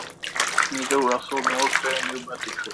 Neither Russell nor Claire knew about the trade.